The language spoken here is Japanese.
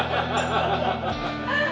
ハハハハ！